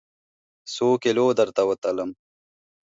څوکیلو درته وتلم؟